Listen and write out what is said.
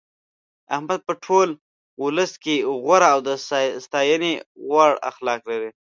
احمد په ټول ولس کې غوره او د ستاینې وړ اخلاق لري.